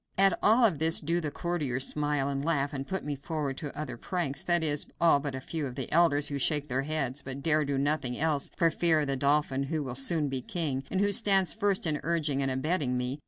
At all of this do the courtiers smile, and laugh, and put me forward to other pranks; that is, all but a few of the elders, who shake their heads, but dare do nothing else for fear of the dauphin, who will soon be king, and who stands first in urging and abetting me.